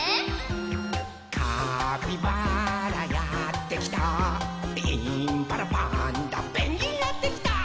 「カピバラやってきたインパラパンダペンギンやってきた」